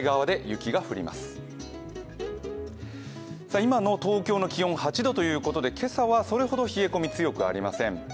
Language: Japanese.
今の東京の気温、８度ということで今朝はそれほど冷え込み、強くありません。